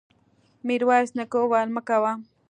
ميرويس نيکه وويل: مه کوه!